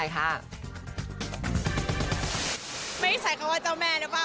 ไม่ได้ใช้คำว่าเจ้าแม่หรือเปล่า